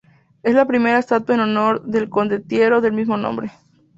Es la primera estatua en honor del condottiero del mismo nombre.